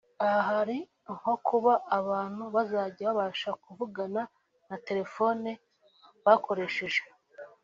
Aha hari nko kuba abantu bazajya babasha kuvugana nta telephone bakoresheje